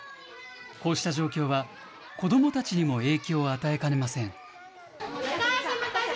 こうした状況は、子どもたちにも影響を与えかねません。